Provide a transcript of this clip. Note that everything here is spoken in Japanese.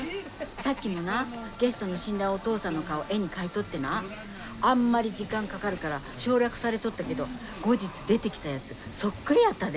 さっきもなゲストの死んだお父さんの顔絵に描いとってなあんまり時間かかるから省略されとったけど後日出てきたやつそっくりやったで！